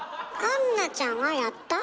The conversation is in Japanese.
アンナちゃんはやった？